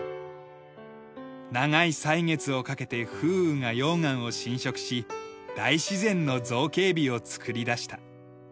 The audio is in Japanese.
長い歳月をかけて風雨が溶岩を浸食し大自然の造形美を作り出した。